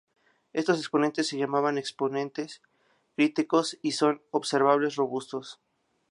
Estos exponentes se llaman exponentes críticos y son observables robustos.